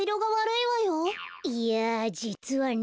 いやじつはね。